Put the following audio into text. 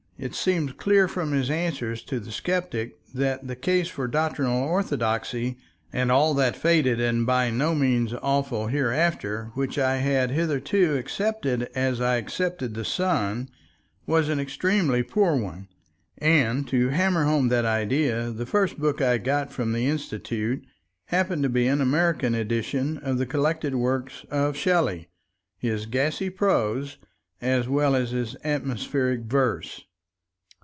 It seemed clear from his answers to the sceptic that the case for doctrinal orthodoxy and all that faded and by no means awful hereafter, which I had hitherto accepted as I accepted the sun, was an extremely poor one, and to hammer home that idea the first book I got from the Institute happened to be an American edition of the collected works of Shelley, his gassy prose as well as his atmospheric verse.